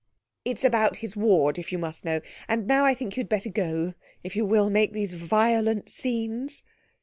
It's about his ward, if you must know. And now I think you'd better go, if you will make these violent scenes.'